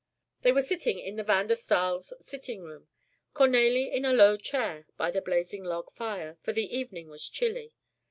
They were sitting in the Van der Staal's sitting room, Cornélie in a low chair by the blazing log fire, for the evening was chilly.